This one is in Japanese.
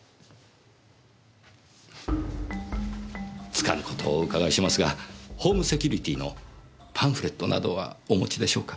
つかぬ事をお伺いしますがホームセキュリティーのパンフレットなどはお持ちでしょうか？